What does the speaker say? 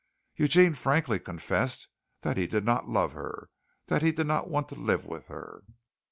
Eugene frankly confessed that he did not love her that he did not want to live with her.